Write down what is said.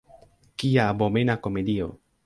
Kia abomena komedio!